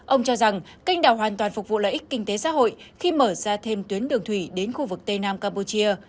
ông cho rằng canh đảo hoàn toàn phục vụ lợi ích kinh tế xã hội khi mở ra thêm tuyến đường thủy đến khu vực tây nam campuchia